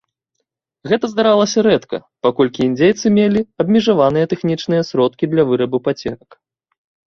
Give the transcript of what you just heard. Гэта здаралася рэдка, паколькі індзейцы мелі абмежаваныя тэхнічныя сродкі для вырабу пацерак.